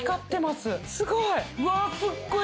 すごい。